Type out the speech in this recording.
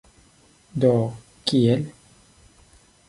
Do, kiel?